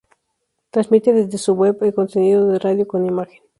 Transmite desde su web el contenido de radio con imagen.